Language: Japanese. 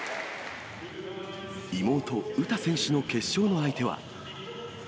妹、詩選手の決勝の相手は。